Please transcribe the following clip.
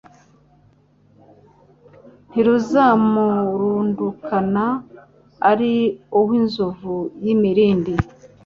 Ntiruzamurundukana ari uw, inzovu y,imirindi